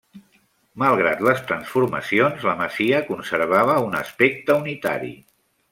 Malgrat les transformacions, la masia conservava un aspecte unitari.